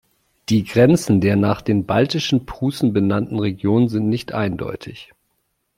Die Grenzen der nach den baltischen Prußen benannten Region sind nicht eindeutig.